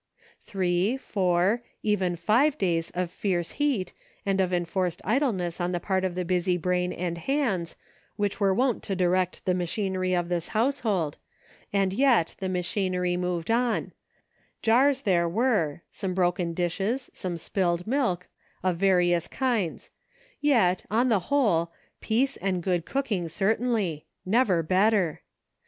Three, four, even five days of fierce heat, and of enforced idleness on the part of the busy brain and hands, which were wont to direct the machin ery of this household, and yet the machinery moved on ; jars there were, some broken dishes, some spilled milk, of various kinds, yet, on the whole, peace, and good cooking, certainly ; never better.